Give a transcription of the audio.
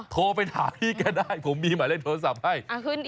โทรไปถามพี่ก็ได้ผมมีหมายเลขโทรศัพท์ให้